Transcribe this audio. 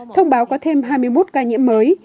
thông báo có thêm hai mươi một ca nhiễm mới